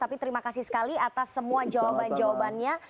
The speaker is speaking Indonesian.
tapi terima kasih sekali atas semua jawaban jawabannya